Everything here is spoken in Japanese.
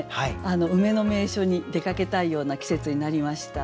梅の名所に出かけたいような季節になりました。